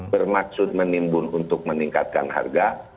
bermaksud menimbun untuk meningkatkan harga